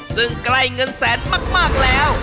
ซึ่งใกล้เงินแสนมากแล้ว